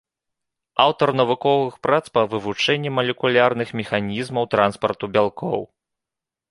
Аўтар навуковых прац па вывучэнні малекулярных механізмаў транспарту бялкоў.